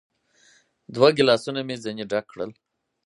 دوه ګیلاسونه مو ځینې ډک کړل.